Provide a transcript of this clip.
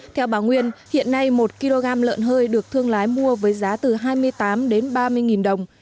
theo bà nguyên hiện nay một kg lợn hơi được thương lái mua với giá từ hai mươi tám đến ba mươi đồng